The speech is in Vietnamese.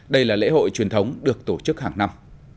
đây là lễ hội truyền thống được tổ chức hàng năm